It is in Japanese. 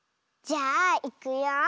じゃあいくよ。